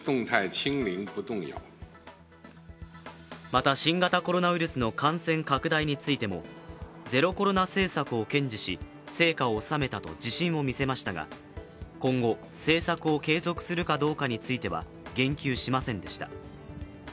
また、新型コロナウイルスの感染拡大についてもゼロコロナ政策を堅持し成果を収めたと自信を見せましたが今後政策を継続するかどうかについては言及しませんでした。